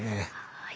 はい。